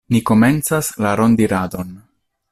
Ni komencas la rondiradon.